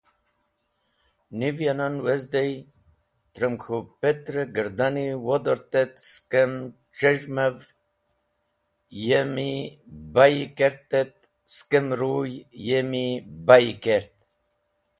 Niv, ya Nan wezdey, trem k̃hũ petr-e gardani wodort et skem c̃hez̃hev yemi bayi kert et skem ruy yemi bayi kert.